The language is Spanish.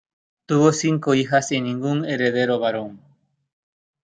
Tuvo cinco hijas y ningún heredero varón.